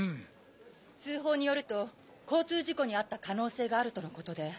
通報によると交通事故に遭った可能性があるとのことで。